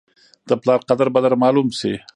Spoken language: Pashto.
د پلار قدر به در معلوم شي !